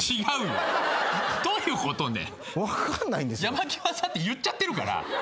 山際さんって言っちゃってるから。